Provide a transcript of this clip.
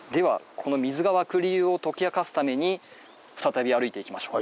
この水が湧く理由を解き明かすために再び歩いていきましょう。